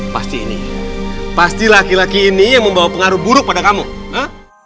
pasti ini pasti laki laki ini yang membawa pengaruh buruk pada kamu